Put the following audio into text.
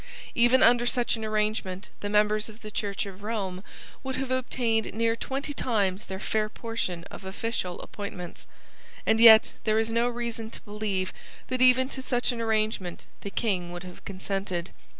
Even under such an arrangement the members of the Church of Rome would have obtained near twenty times their fair portion of official appointments; and yet there is no reason to believe that even to such an arrangement the King would have consented.